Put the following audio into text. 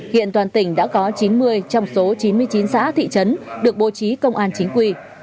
hiện toàn tỉnh đã có chín mươi trong số chín mươi chín xã thị trấn được bố trí công an chính quy